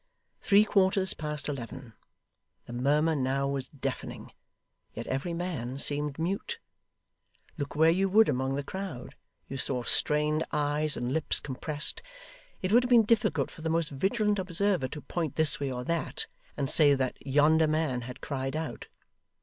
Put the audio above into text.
Three quarters past eleven! The murmur now was deafening, yet every man seemed mute. Look where you would among the crowd, you saw strained eyes and lips compressed; it would have been difficult for the most vigilant observer to point this way or that, and say that yonder man had cried out.